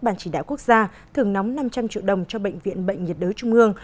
ban chỉ đạo quốc gia thưởng nóng năm trăm linh triệu đồng cho bệnh viện bệnh nhiệt đới trung ương